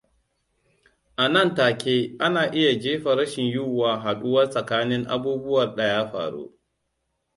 A nan take ana iya jefa rashin yiyuwan haduwa tsakanin abubuwar daya faru.